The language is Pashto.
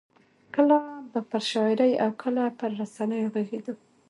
کله به پر شاعرۍ او کله پر رسنیو غږېدو.